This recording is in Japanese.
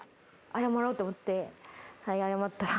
謝ろうと思って謝ったら。